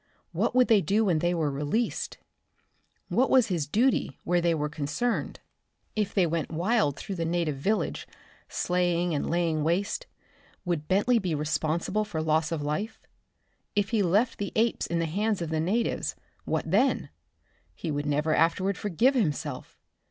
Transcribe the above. What would they do when they were released? What was his duty where they were concerned? If they went wild through the native village, slaying and laying waste, would Bentley be responsible for loss of life? If he left the apes in the hands of the natives, what then? He would never afterward forgive himself.